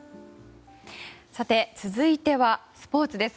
続いてはスポーツです。